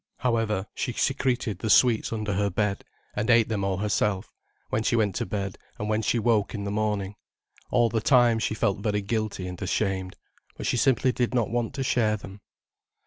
However, she secreted the sweets under her bed, and ate them all herself, when she went to bed, and when she woke in the morning. All the time she felt very guilty and ashamed, but she simply did not want to share them.